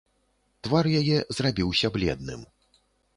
Твар яе зрабіўся бледным.